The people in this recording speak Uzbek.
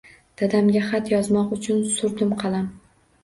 Dadamga xat yozmoq uchun surdim qalam: